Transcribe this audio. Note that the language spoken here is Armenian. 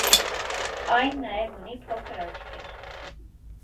Այն նաև ունի փոքր «աչքեր»։